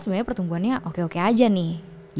sebenarnya pertumbuhannya oke oke aja nih